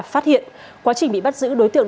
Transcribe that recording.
phát hiện quá trình bị bắt giữ đối tượng